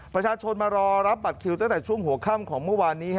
ประชาชนมารอรับบัตรคิวตั้งแต่ช่วงหัวค่ำของเมื่อวานนี้